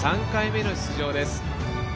３回目の出場です。